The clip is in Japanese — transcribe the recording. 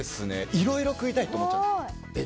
いろいろ食いたいと思っちゃうんです。